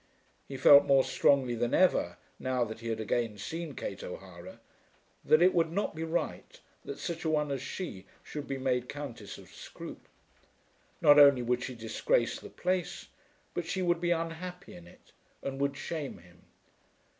He felt more strongly than ever, now that he had again seen Kate O'Hara, that it would not be right that such a one as she should be made Countess of Scroope. Not only would she disgrace the place, but she would be unhappy in it, and would shame him.